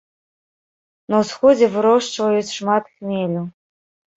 На ўсходзе вырошчваюць шмат хмелю.